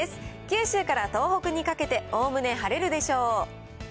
九州から東北にかけて、おおむね晴れるでしょう。